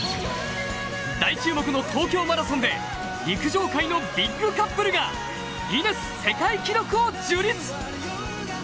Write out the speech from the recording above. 大注目の東京マラソンで陸上界のビッグカップルがギネス世界記録を樹立！